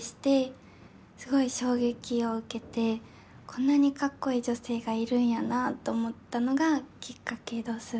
こんなにかっこいい女性がいるんやなと思ったのがきっかけどす。